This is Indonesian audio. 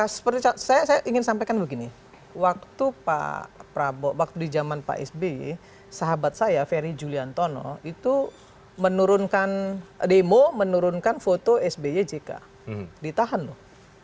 seperti saya ingin sampaikan begini waktu pak prabowo waktu di zaman pak sby sahabat saya ferry juliantono itu menurunkan demo menurunkan foto sby jk ditahan loh